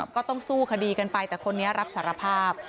ก็ต้องสู้คดีกันไปแต่คนนี้รับสารภาพ